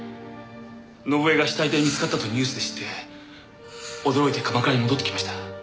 伸枝が死体で見つかったとニュースで知って驚いて鎌倉に戻ってきました。